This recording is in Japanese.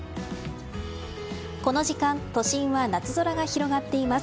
この時間都心は夏空が広がっています。